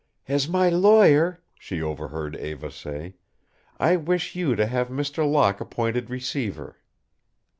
"As my lawyer," she overheard Eva say, "I wish you to have Mr. Locke appointed receiver."